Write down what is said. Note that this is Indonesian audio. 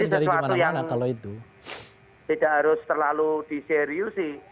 jadi sesuatu yang tidak harus terlalu diseriusi